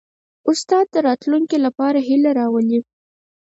استاد د راتلونکي لپاره هیله راولي.